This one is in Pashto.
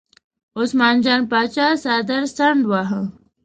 عثمان جان پاچا څادر څنډ واهه.